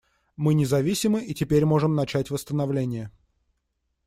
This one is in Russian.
Мы независимы и теперь можем начать восстановление.